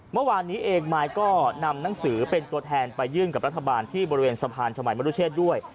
เมื่อวานนี้เองมายก็นำหนังสือเป็นตัวแทนไปยื่นกับรัฐบาลที่บริเวณสะพานชมัยมรุเชษด้วย